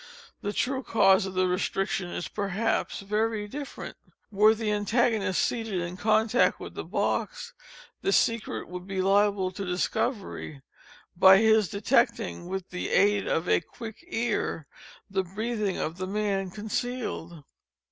The true cause of the restriction is, perhaps, very different. Were the antagonist seated in contact with the box, the secret would be liable to discovery, by his detecting, with the aid of a quick car, the breathings of the man concealed.